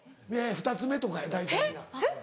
２つ目とかや大体皆。